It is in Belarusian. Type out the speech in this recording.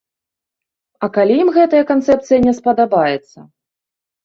А калі ім гэтая канцэпцыя не спадабаецца?